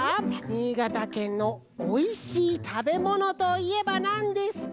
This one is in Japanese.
新潟県のおいしいたべものといえばなんですか？